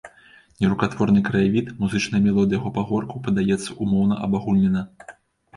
Нерукатворны краявід, музычная мелодыя яго пагоркаў падаецца ўмоўна-абагульнена.